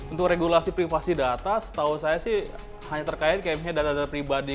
untuk regulasi privasi data setahu saya sih hanya terkait kayaknya data data pribadi